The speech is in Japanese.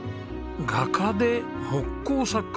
画家で木工作家！